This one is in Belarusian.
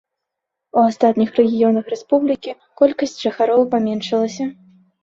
У астатніх рэгіёнах рэспублікі колькасць жыхароў паменшылася.